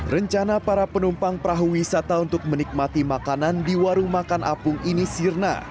rencana para penumpang perahu wisata untuk menikmati makanan di warung makan apung ini sirna